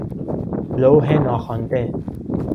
لوح ناخوانده